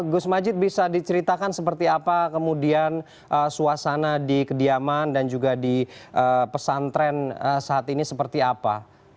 gus majid bisa diceritakan seperti apa kemudian suasana di kediaman dan juga di pesantren saat ini seperti apa